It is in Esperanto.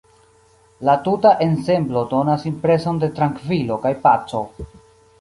La tuta ensemblo donas impreson de trankvilo kaj paco.